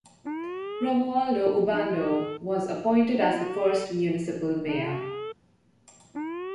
Romualdo Ubando was appointed as the first Municipal Mayor.